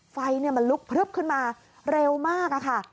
ไฟมันลุกพลึบขึ้นมาเร็วมากค่ะ